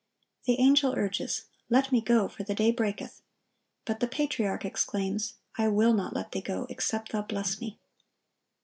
The Angel urges, "Let Me go; for the day breaketh;" but the patriarch exclaims, "I will not let Thee go, except Thou bless me."